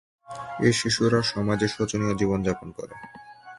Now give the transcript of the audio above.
এ শিশুরা সমাজে শোচনীয় জীবনযাপন করে।